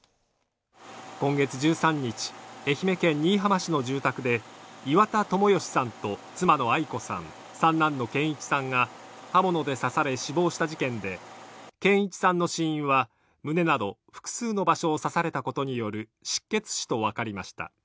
今月１３日、愛媛県新居浜市の住宅で岩田友義さんと妻のアイ子さん、三男の健一さんが刃物で刺され、死亡した事件で健一さんの死因は胸など複数の場所を刺されたことによる失血死と分かりました。